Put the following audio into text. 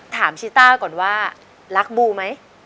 ชีต้าก่อนว่ารักบูไหม